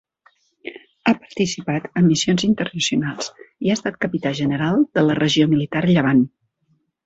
Ha participat en missions internacionals i ha estat capità general de la Regió Militar Llevant.